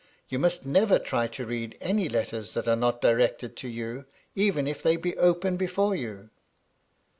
You must never try to read any letters that are not directed to you, even if they be open before you."